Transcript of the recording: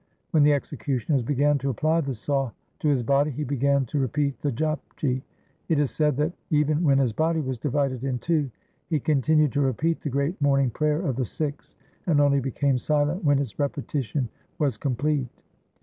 When the executioners began to apply the saw to his body, he began to repeat the Japji. It is said that, even when his body was divided in two, he continued to repeat the great morning prayer of the Sikhs, and only became silent when its repetition was complete.